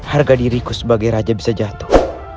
harga diriku sebagai raja bisa jatuh